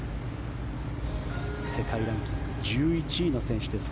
世界ランキング１１位の選手です。